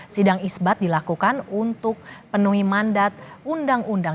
sidang isbat dilakukan untuk penuhi mandat undang undang